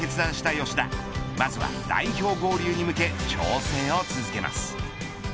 吉田まずは代表合流に向け調整を続けます。